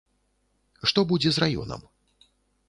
Што будзе з раёнам?